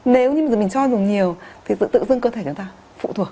nếu như mình cho dùng nhiều thì tự dưng cơ thể chúng ta phụ thuộc